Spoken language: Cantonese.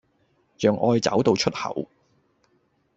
讓愛找到出口